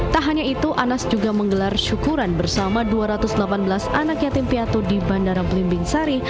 tak hanya itu anas juga menggelar syukuran bersama dua ratus delapan belas anak yatim piatu di bandara belimbing sari